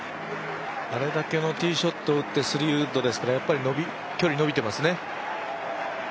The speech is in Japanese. あれだけのティーショットを打って３ウッドですから、距離、延びてますね。